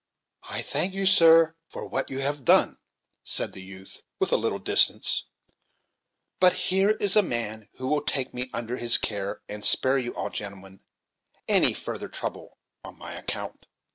"I thank you, sir, for what you have done," said the youth, with a little distance; "but here is a man who will take me under his care, and spare you all, gentlemen, any further trouble on my account."